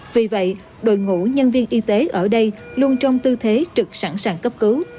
vì vậy đội ngũ nhân viên y tế ở đây luôn trong tư thế trực sẵn sàng cấp cứu